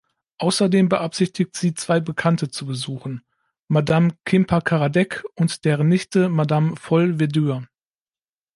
Außerdem beabsichtigt sie, zwei Bekannte zu besuchen: Madame Quimper-Karadec und deren Nichte, Madame Folle-Verdure.